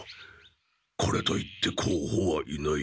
これと言ってこうほはいない。